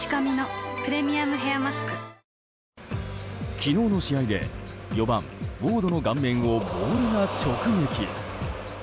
昨日の試合で４番ウォードの顔面をボールが直撃。